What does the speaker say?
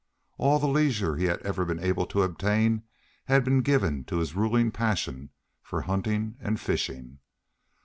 All the leisure he had ever been able to obtain had been given to his ruling passion for hunting and fishing.